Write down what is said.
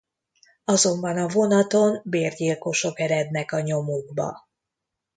Azonban a vonaton bérgyilkosok erednek a nyomukba.